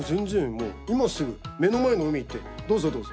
もう今すぐ目の前の海行ってどうぞどうぞ。